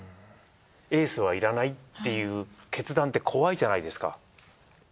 エースはいらないっていう決断って怖いじゃないですか。